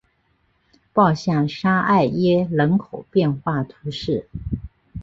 鲍下沙艾耶人口变化图示